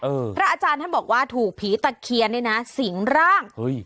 พระอาจารย์ท่านบอกว่าถูกผีตะเคียนเนี่ยนะสิงร่างเฮ้ย